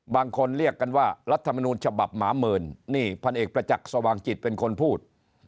บางคนเรียกกันว่ารัฐมนูลฉบับหมาหมื่นนี่พันเอกประจักษ์สว่างจิตเป็นคนพูด